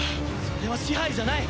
それは支配じゃない！